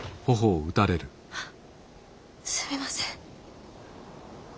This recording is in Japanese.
あすみません。